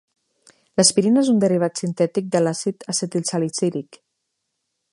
L’aspirina és un derivat sintètic de l’àcid acetilsalicílic.